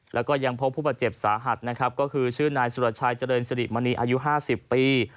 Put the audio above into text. แล้วก็ยังพบผู้บาดเจ็บสาหัสนะครับก็คือชื่อนายสุรชัยเจริญสิริมณีอายุ๕๐ปี